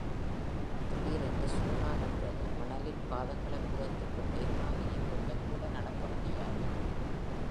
திடீரென்று சோனா நின்றது மணலில் பாதங்களைப் புதைத்துக் கொண்டு, என்னால் இனி கொஞ்சம் கூட நடக்க முடியாது.